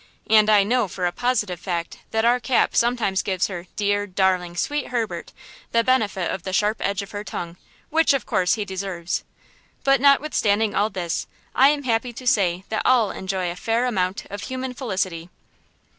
And I know for a positive fact that our Cap sometimes gives her "dear, darling, sweet Herbert," the benefit of the sharp edge of her tongue, which, of course, he deserves. But notwithstanding all this, I am happy to say that all enjoy a fair amount of human felicity.